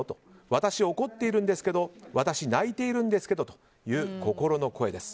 私、怒ってるんですけど私、泣いてるんですけどとそういった心の声です。